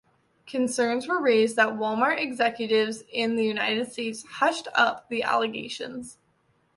Concerns were raised that Walmart executives in the United States "hushed up" the allegations.